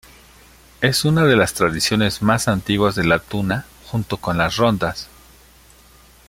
Es una de las tradiciones más antiguas de la Tuna junto con las Rondas.